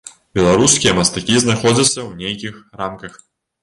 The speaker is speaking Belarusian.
Беларускія мастакі знаходзяцца ў нейкіх рамках.